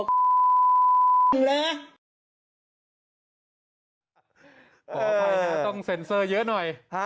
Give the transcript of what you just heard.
กลัวขอโทษต้องเซ็นเซอร์เยอะหน่อย